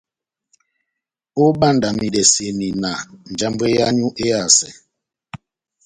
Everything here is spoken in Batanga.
Óbandamasidɛni na njambwɛ yáwu éhásɛ.